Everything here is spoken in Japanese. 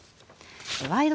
「ワイド！